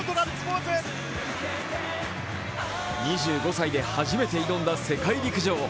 ２５歳で初めて挑んだ世界陸上。